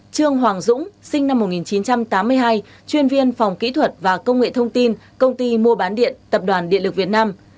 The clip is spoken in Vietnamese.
năm trương hoàng dũng sinh năm một nghìn chín trăm tám mươi hai chuyên viên phòng kỹ thuật và công nghệ thông tin công ty mua bán điện tập đoàn điện lực việt nam